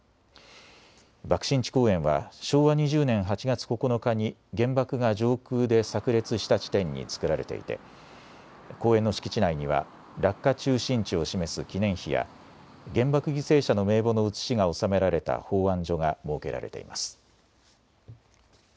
爆心地公園は昭和２０年８月９日に原爆が上空でさく裂した地点に作られていて公園の敷地内には落下中心地を示す記念碑や原爆犠牲者の名簿の写しが納められた奉安所が設けられています。